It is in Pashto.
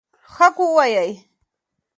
حق ووایئ.